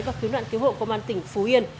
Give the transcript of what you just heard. và cứu nạn cứu hộ công an tỉnh phú yên